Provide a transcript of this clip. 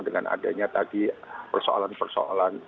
dengan adanya tadi persoalan persoalan